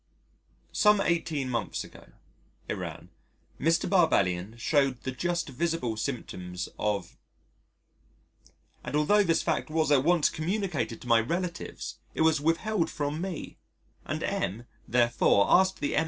"Some 18 months ago," it ran, "Mr. Barbellion shewed the just visible symptoms of " and altho' this fact was at once communicated to my relatives it was withheld from me and M therefore asked the M.